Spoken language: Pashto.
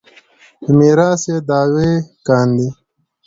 په میراث یې دعوې کاندي.